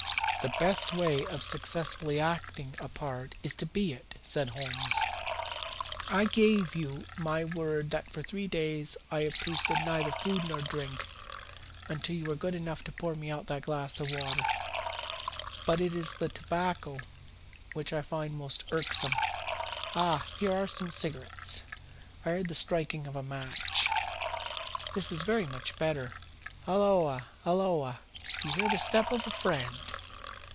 "The best way of successfully acting a part is to be it," said Holmes. "I give you my word that for three days I have tasted neither food nor drink until you were good enough to pour me out that glass of water. But it is the tobacco which I find most irksome. Ah, here ARE some cigarettes." I heard the striking of a match. "That is very much better. Halloa! halloa! Do I hear the step of a friend?"